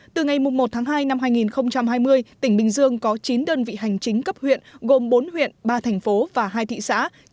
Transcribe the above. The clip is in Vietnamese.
từ ngày một tháng hai năm hai nghìn hai mươi tỉnh bình dương có chín đơn vị hành chính cấp huyện gồm bốn huyện ba thành phố và hai thị xã